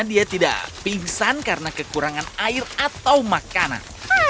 dia tidak pingsan karena kekurangan air atau makanan